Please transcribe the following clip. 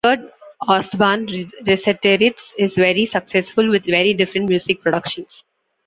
Kurt Ostbahn, Resetarits is very successful with very different music productions.